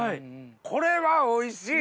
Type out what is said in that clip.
これはおいしい！